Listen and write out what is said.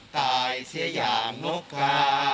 ตายเสียอย่างนกกา